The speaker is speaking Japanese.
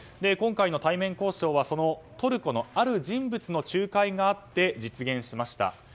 今回の対面交渉はトルコのある人物の仲介があって実現しました。